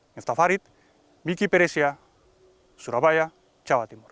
naftaf harith miki peresia surabaya jawa timur